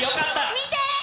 見て。